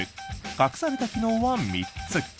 隠された機能は３つ。